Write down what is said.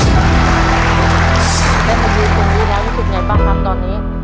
น้องบูคงรู้แล้ววิสิทธิ์ยังไงบ้างครับตอนนี้